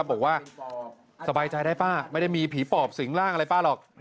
บอกว่าสบายใจได้ป้าไม่ได้มีผีปอบสิงร่างอะไรป้าหรอก